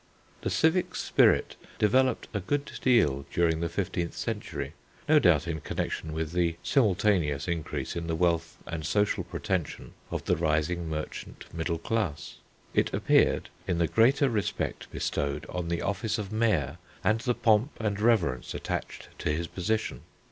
The civic spirit developed a good deal during the fifteenth century, no doubt in connection with the simultaneous increase in the wealth and social pretension of the rising merchant middle class. It appeared in the greater respect bestowed on the office of Mayor and the pomp and reverence attached to his position.